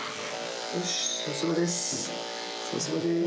よしさすがです